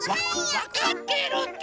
わかってるって！